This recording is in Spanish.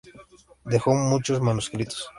Dejó muchos manuscritos.